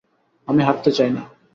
আমি হাঁটতে চাই না।